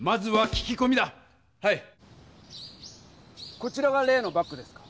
こちらが例のバッグですか？